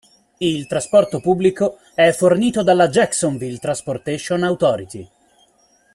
Il trasporto pubblico è fornito dalla Jacksonville Transportation Authority.